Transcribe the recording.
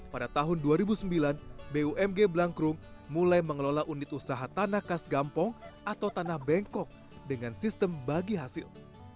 pada tahun dua ribu sembilan bumg blangkrum mulai mengelola unit usaha tanah khas gampong atau tanah bengkok dengan sistem bagi hasil